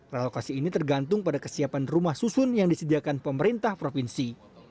relokasi ini tergantung pada kesiapan rumah susun yang disediakan pemerintah provinsi